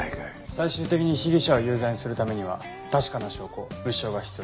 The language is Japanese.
最終的に被疑者を有罪にするためには確かな証拠物証が必要です。